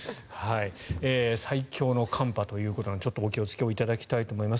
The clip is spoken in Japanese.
最強の寒波ということでお気をつけいただきたいと思います。